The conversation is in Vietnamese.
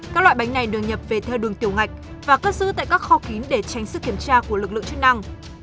các loại bánh này được nhập về theo đường tiểu ngạch và cất giữ tại các kho kín để tránh sự kiểm tra của lực lượng chức năng